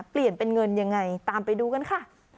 เปลี่ยนเป็นเงินยังไงตามไปดูกันค่ะ